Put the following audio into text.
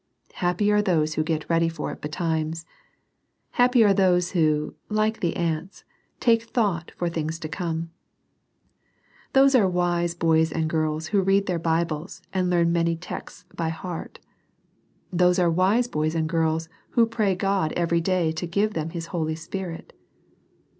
Happy are those who get ready for it betimes. Happy are those who, like the ants, take thought for things to come ! Those are wise boys and girls who read their Bibles, and learn many texts by heart. Those are wise boys and girls who pray God every day to give them His Holy Spirit.